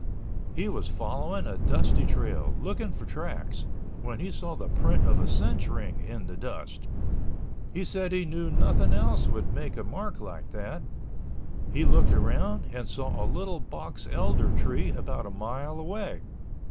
He was following a dusty trail, looking for tracks, when he saw the print of a cinch ring in the dust. He said he knew nothing else would make a mark like that. He looked around and saw a little box elder tree about a mile away.